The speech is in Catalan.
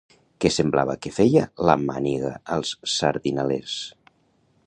Què semblava que feia la màniga als sardinalers?